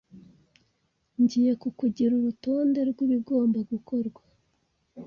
Ngiye kukugira urutonde rwibigomba gukorwa.